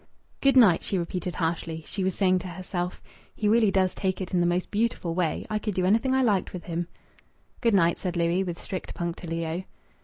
"Good night," she repeated harshly. She was saying to herself: "He really does take it in the most beautiful way. I could do anything I liked with him." "Good night," said Louis, with strict punctilio.